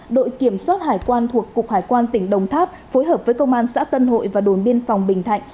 đội kiểm soát hải quan thuộc cục hải quan tỉnh đồng tháp phối hợp với công an xã tân hội và đồn biên phòng bình thạnh